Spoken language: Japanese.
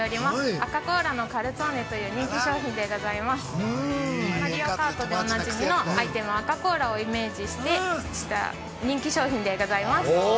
マリオカートでおなじみのアイテムアカこうらをイメージして人気商品でございます。